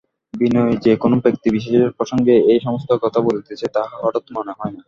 বিনয় যে কোনো ব্যক্তিবিশেষের প্রসঙ্গে এই-সমস্ত কথা বলিতেছে তাহা হঠাৎ মনে হয় না।